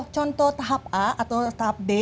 contoh tahap a atau tahap b